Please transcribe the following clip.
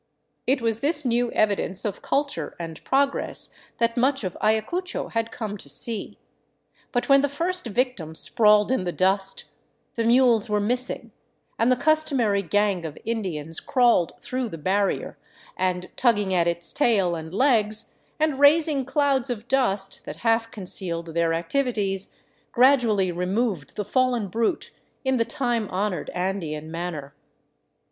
It was this new evidence of culture and progress that much of Ayacucho had come to see. But when the first victim sprawled in the dust, the mules were missing, and the customary gang of Indians crawled through the barrier and, tugging at its tail and legs, and raising clouds of dust that half concealed their activities, gradually removed the fallen brute in the time honored Andean manner.